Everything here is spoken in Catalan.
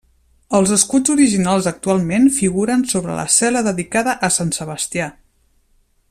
Els escuts originals actualment figuren sobre la cel·la dedicada a Sant Sebastià.